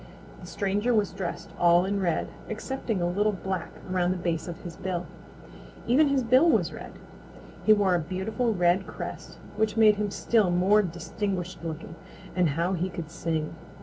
The stranger was dressed all in red, excepting a little black around the base of his bill. Even his bill was red. He wore a beautiful red crest which made him still more distinguished looking, and how he could sing!